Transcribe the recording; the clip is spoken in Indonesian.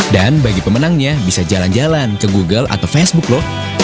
dan bagi pemenangnya bisa jalan jalan ke google atau facebook lho